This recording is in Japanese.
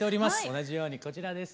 同じようにこちらです。